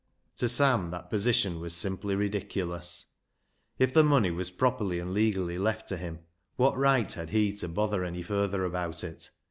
To Sam that position was simply ridiculous. If the money was properly and legally left to him, what right had he to bother any further about it